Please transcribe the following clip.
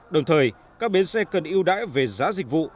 đồng thời các bến xe cần ưu đãi về giá dịch vụ